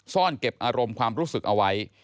ซ่อนเก็บอารมณ์ความรู้สึกเอาไว้